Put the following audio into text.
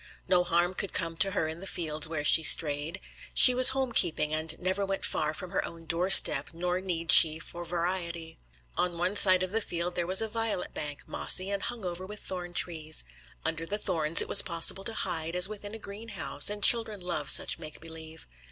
No harm could come to her in the fields where she strayed. She was home keeping, and never went far from her own doorstep; nor need she for variety. On one side of the field there was a violet bank, mossy, and hung over with thorn trees. Under the thorns it was possible to hide as within a greenhouse, and children love such make believe.